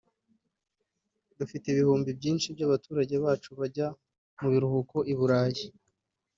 Dufite ibihumbi byinshi by’abaturage bacu bajya mu biruhuko i Burayi